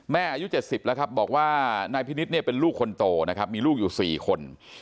อายุ๗๐แล้วครับบอกว่านายพินิษฐ์เนี่ยเป็นลูกคนโตนะครับมีลูกอยู่๔คน